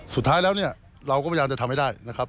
สุดท้ายแล้วเนี่ยเราก็พยายามจะทำให้ได้นะครับ